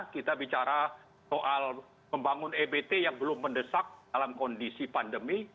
kita bicara soal membangun ebt yang belum mendesak dalam kondisi pandemi